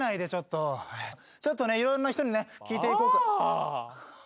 ちょっといろんな人に聞いていこうかと。